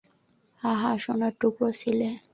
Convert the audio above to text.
আহা, সোনার টুকরো ছেলে!